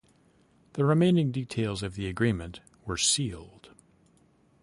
The remaining details of the agreement were sealed.